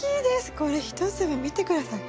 これ１粒見て下さい。